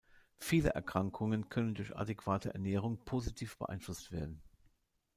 Viele Erkrankungen können durch adäquate Ernährung positiv beeinflusst werden.